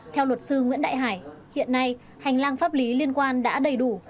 theo luật sư nguyễn đại hải hiện nay hành lang pháp lý liên quan đã đầy đủ